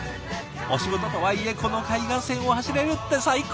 お仕事とはいえこの海岸線を走れるって最高！